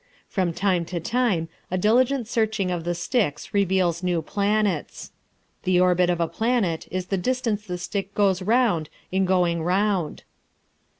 From time to time a diligent searching of the sticks reveals new planets. The orbit of a planet is the distance the stick goes round in going round.